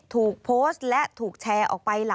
ถูกโพสต์และถูกแชร์ออกไป